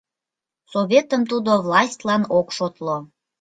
Советым тудо властьлан ок шотло.